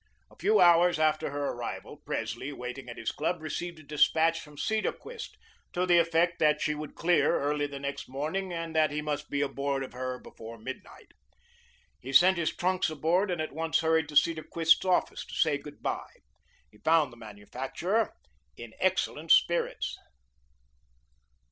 A few hours after her arrival, Presley, waiting at his club, received a despatch from Cedarquist to the effect that she would clear early the next morning and that he must be aboard of her before midnight. He sent his trunks aboard and at once hurried to Cedarquist's office to say good bye. He found the manufacturer in excellent spirits.